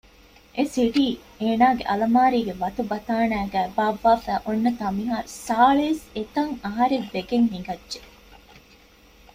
އެ ސިޓީ އޭނާގެ އަލަމާރީގެ ވަތުބަތާނައިގައި ބާއްވާފައި އޮންނަތާ މިހާރު ސާޅިސް އެތައް އަހަރެއް ވެގެން ހިނގައްޖެ